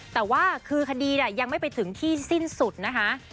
แต่ว่าคือคดียังไม่ไปถึงที่สิ้นสุดนะคะ